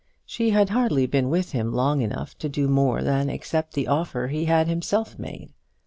She had hardly been with him long enough to do more than accept the offer he had himself made.